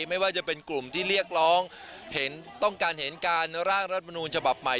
ไม่ว่าจะเป็นกลุ่มที่เรียกร้องต้องการเห็นการร่างรัฐมนูลฉบับใหม่